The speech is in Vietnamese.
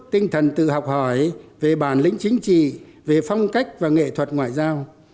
tinh thần tự học hỏi về bản lĩnh chính trị về phong cách và nghệ thuật ngoại giao